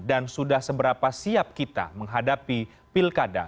dan sudah seberapa siap kita menghadapi pilkada